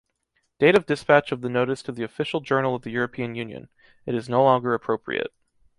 Date of dispatch of the notice to the Official Journal of the European Union: it is no longer appropriate.